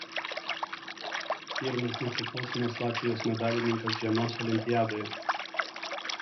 Pirmasis nepriklausomos Latvijos medalininkas žiemos olimpiadoje.